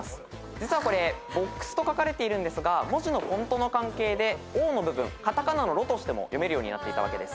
実はこれＢＯＸと書かれているんですが文字のフォントの関係でＯの部分片仮名のロとしても読めるようになっていたわけです。